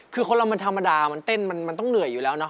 คือคนเรามันธรรมดามันเต้นมันต้องเหนื่อยอยู่แล้วเนอ